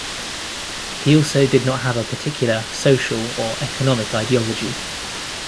He also did not have a particular social or economic ideology.